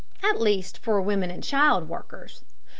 ] at least for women and child workers.